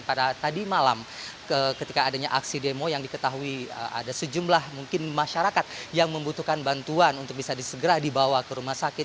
pada tadi malam ketika adanya aksi demo yang diketahui ada sejumlah mungkin masyarakat yang membutuhkan bantuan untuk bisa disegera dibawa ke rumah sakit